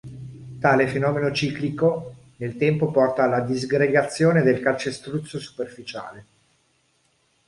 Tale fenomeno ciclico nel tempo porta alla disgregazione del calcestruzzo superficiale.